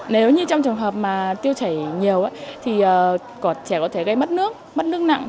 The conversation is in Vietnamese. nếu như trong trường hợp tiêu chảy nhiều trẻ có thể gây mất nước mất nước nặng